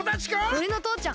おれのとうちゃん。